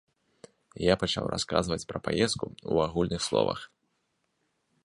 Я пачаў расказваць пра паездку ў агульных словах.